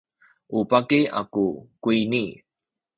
u baki aku kuyni.